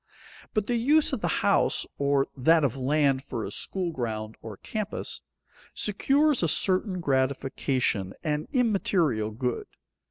But the use of the house, or that of land for a school ground or campus, secures a certain gratification, an immaterial good.